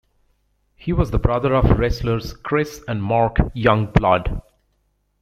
He was the brother of wrestlers Chris and Mark Youngblood.